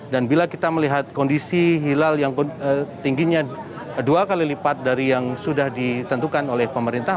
dan bila kita melihat kondisi hilal yang tingginya dua kali lipat dari yang sudah ditentukan oleh pemerintah